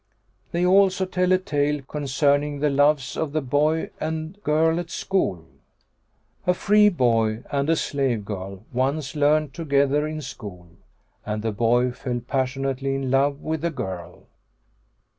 They also tell a tale concerning THE LOVES OF THE BOY AND GIRL AT SCHOOL A free boy and a slave girl once learnt together in school, and the boy fell passionately in love with the girl.